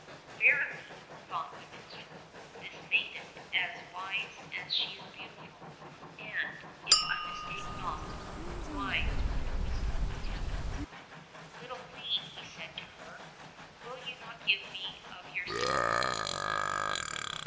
Verily, thought the minstrel, this maiden is as wise as she is beautiful, and, if I mistake not, wise with the wisdom of Heaven. "Little queen," he said to her, "will you not give me of your simples